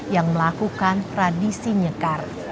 yang melakukan tradisi nyekar